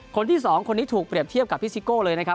คนที่สองคนนี้ถูกเปรียบเทียบกับพี่ซิโก้เลยนะครับ